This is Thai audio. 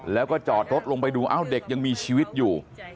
แล้วก็จอดรถลงไปดูเอ้าเด็กยังมีชีวิตอยู่